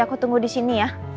aku tunggu disini ya